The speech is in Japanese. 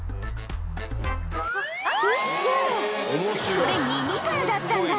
ウッソそれミニカーだったんだ！